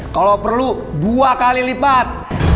kalau perlu dua kali lipat